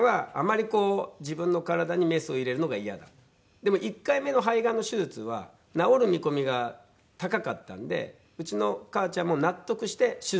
でも１回目の肺がんの手術は治る見込みが高かったんでうちの母ちゃんも納得して手術には応じましたね。